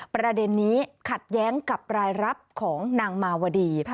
ประเด็นนี้ขัดแย้งกับรายรับของนางมาวดี